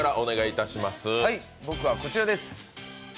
僕はこちらです。